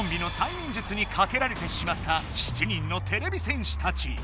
みん術にかけられてしまった７人のてれび戦士たち。